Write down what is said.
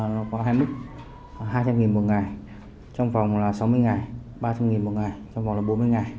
nó có hai mươi hai trăm linh nghìn một ngày trong vòng là sáu mươi ngày ba trăm linh nghìn một ngày trong vòng là bốn mươi ngày